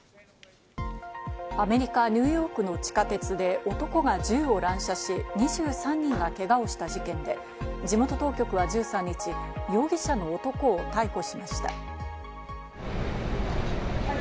アメリカ・ニューヨークの地下鉄で男が銃を乱射し、２３人がけがをした事件で、地元当局は１３日、容疑者の男を逮捕しました。